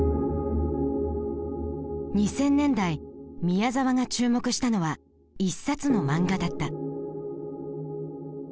２０００年代宮沢が注目したのは一冊の漫画だった。